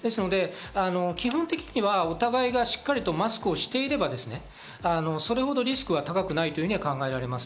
基本的にはお互いがしっかりとマスクをしていればそれほどリスクは高くないと考えられます。